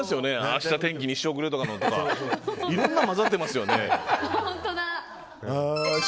明日天気にしておくれとかいろんなの混ざってますよね。